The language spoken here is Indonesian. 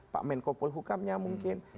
pak menkopol hukam nya mungkin